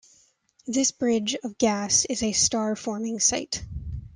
This bridge of gas is a star-forming site.